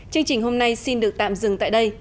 chương trình hôm nay xin được tạm dừng tại đây